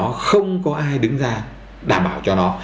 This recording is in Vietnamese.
nó không có ai đứng ra đảm bảo cho nó